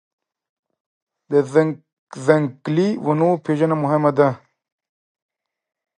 د ځنګلي ونو پېژندنه مهمه ده.